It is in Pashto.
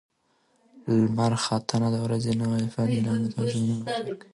لمر ختنه د ورځې نوی پیل اعلانوي او ژوند ته امید ورکوي.